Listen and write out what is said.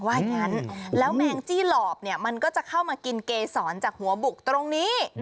ว่าอย่างนั้นแล้วแมงจี้หลอบเนี่ยมันก็จะเข้ามากินเกษรจากหัวบุกตรงนี้